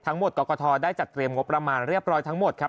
กรกฐได้จัดเตรียมงบประมาณเรียบร้อยทั้งหมดครับ